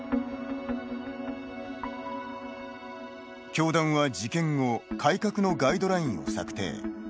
教団は事件後改革のガイドラインを策定。